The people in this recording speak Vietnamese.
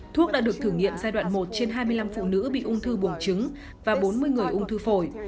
thuốc đã được thử nghiệm giai đoạn một trên hai mươi năm phụ nữ bị ung thư buồng trứng và bốn mươi người ung thư phổi